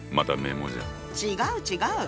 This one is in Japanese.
違う違う！